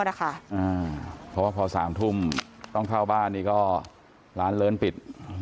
เพราะว่าพอ๓ทุ่มต้องเข้าบ้านนี่ก็ร้านเลิ้นปิด